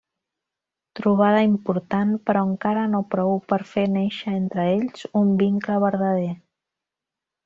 Trobada important però encara no prou per fer néixer entre ells un vincle verdader.